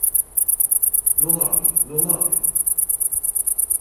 Nu labi, nu labi!